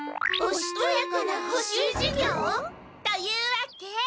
おしとやかな補習授業？というわけ。